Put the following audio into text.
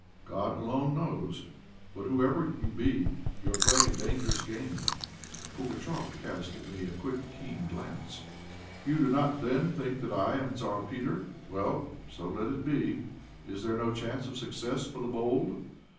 "God alone knows; but whoever you be, you are playing a dangerous game." Pugatchéf cast at me a quick, keen glance. "You do not then think that I am the Tzar Peter? Well, so let it be. Is there no chance of success for the bold?